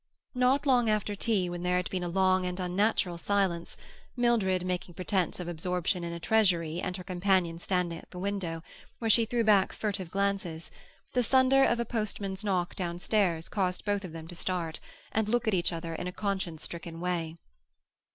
Not long after tea, when there had been a long and unnatural silence, Mildred making pretence of absorption in a "Treasury" and her companion standing at the window, whence she threw back furtive glances, the thunder of a postman's knock downstairs caused both of them to start, and look at each other in a conscience stricken way.